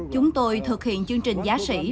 chúng tôi thực hiện chương trình giá sỉ